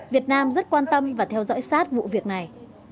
việt nam rất quan tâm và theo dõi sát vụ việc này